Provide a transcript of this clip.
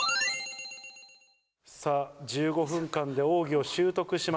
さぁ１５分間で奥義を習得しました。